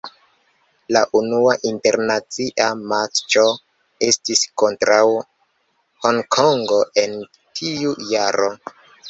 La unua internacia matĉo estis kontraŭ Honkongo en tiu jaro.